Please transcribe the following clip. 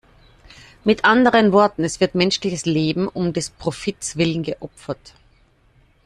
Mit anderen Worten, es wird menschliches Leben um des Profits willen geopfert.